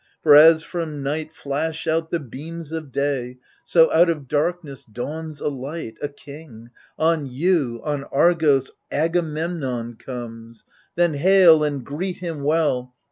For as from night flash out the beams of day, So out of darkness dawns a light, a king, On you, on Argos — Agamemnon comes. Then hail and greet him well